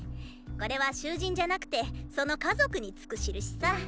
これは囚人じゃなくてその家族につく印さ。